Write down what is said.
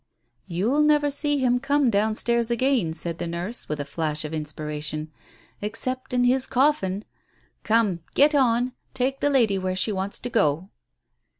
"You'll never see him come downstairs again," said the nurse, with a flash of inspiration, "except in his coffin ! Come, get on ! Take the lady where she wants to go."